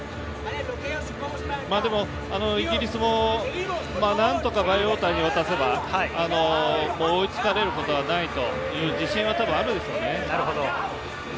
イギリスも何とかバイウォーターに渡せば、追いつかれることはないという自信は多分あるでしょうね。